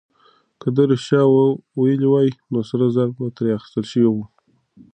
که ده رښتيا ويلي وای، نو سره زر به ترې اخيستل شوي وو.